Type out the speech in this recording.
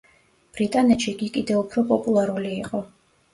ბრიტანეთში იგი კიდევ უფრო პოპულარული იყო.